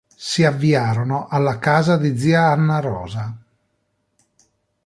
S'avviarono alla casa di zia Anna-Rosa.